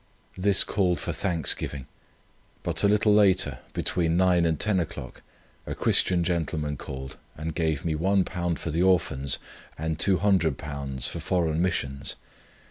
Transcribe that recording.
This called for thanksgiving. But a little later, between nine and ten o'clock, a Christian gentleman called and gave me £1 for the Orphans and £200 for foreign missions.